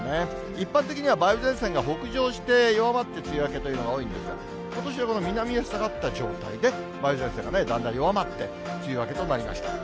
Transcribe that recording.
一般的には梅雨前線が北上して弱まって梅雨明けというのが多いんですが、ことしはこの南へ下がった状態で梅雨前線がだんだん弱まって梅雨明けとなりました。